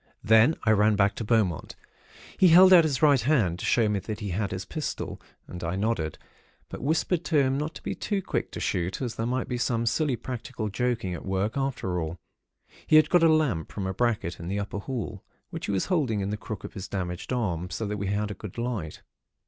"Then I ran back to Beaumont. He held out his right hand, to show me that he had his pistol, and I nodded; but whispered to him not to be too quick to shoot, as there might be some silly practical joking at work, after all. He had got a lamp from a bracket in the upper hall, which he was holding in the crook of his damaged arm, so that we had a good light.